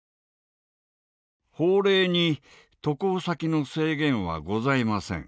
法令に渡航先の制限はございません。